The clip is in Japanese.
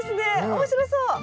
面白そう！